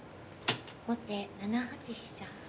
後手７八飛車。